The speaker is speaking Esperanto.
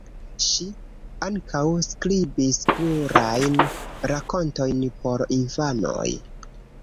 Ŝi ankaŭ skribis plurajn rakontojn por infanoj.